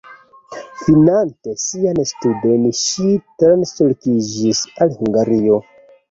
Finante siajn studojn ŝi translokiĝis al Hungario.